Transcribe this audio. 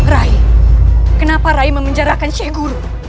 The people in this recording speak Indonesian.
rai kenapa rai mengenjarakan sheikh guru